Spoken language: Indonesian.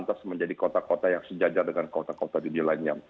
kita harus menjadi kota kota yang sejajar dengan kota kota dunia lainnya